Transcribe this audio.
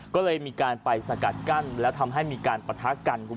ก็เลยมีการไปสกัดกั้นและมีการปะทะกัน